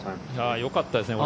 よかったですね。